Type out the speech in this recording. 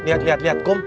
lihat lihat lihat kum